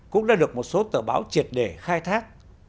cũng đã được một số tờ báo triệt để khai thác